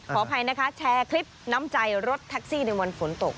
ขออภัยนะคะแชร์คลิปน้ำใจรถแท็กซี่ในวันฝนตก